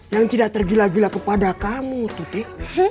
yang tidak tergila gila kepada kamu tuti